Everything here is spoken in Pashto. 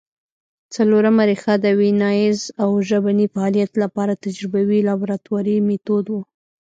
څلورمه ریښه د ویناييز او ژبني فعالیت له پاره تجربوي لابراتواري مېتود وو